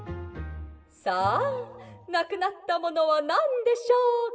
「さあなくなったものはなんでしょうか？